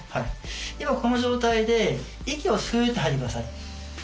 今この状態で息をふっと吐いてください。